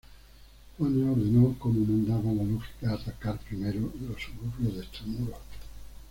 Juana ordenó, como mandaba la lógica, atacar primero los suburbios de extramuros.